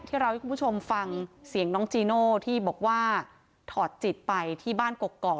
เราให้คุณผู้ชมฟังเสียงน้องจีโน่ที่บอกว่าถอดจิตไปที่บ้านกกอก